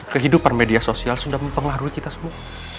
kehidupan media sosial sudah mempengaruhi kita semua